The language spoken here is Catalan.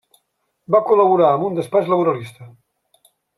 Va col·laborar amb un despatx laboralista.